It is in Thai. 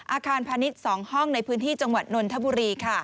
อาคารพาณิชย์๒ห้องในพื้นที่จังหวัดนนทบุรี